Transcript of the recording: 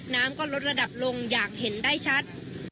น้ำก็ลดระดับลงอย่างเห็นได้ชัด